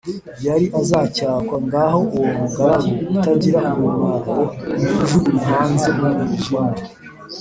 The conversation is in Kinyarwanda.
yari azacyakwa Ngaho uwo mugaragu utagira umumaro nimumujugunye hanze mu mwijima